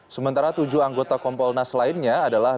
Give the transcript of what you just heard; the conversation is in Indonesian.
sementara tujuh anggota kompolnas lainnya adalah